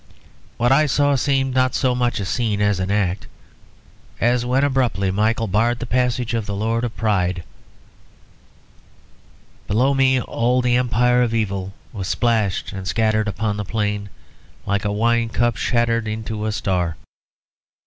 What I saw seemed not so much a scene as an act; as when abruptly Michael barred the passage of the Lord of Pride. Below me all the empire of evil was splashed and scattered upon the plain, like a wine cup shattered into a star.